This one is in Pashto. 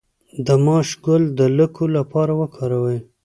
د ماش ګل د لکو لپاره وکاروئ